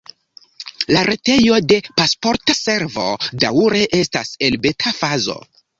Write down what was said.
La retejo de Pasporta Servo daŭre estas en beta-fazo.